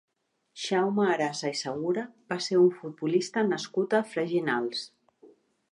Jaume Arasa i Segura va ser un futbolista nascut a Freginals.